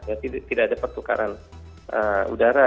jadi tidak ada pertukaran udara